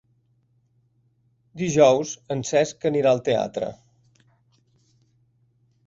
Dijous en Cesc anirà al teatre.